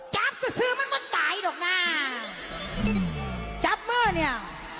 จับก็ซื้อมันมาตายหรอกนะจับมือเนี่ย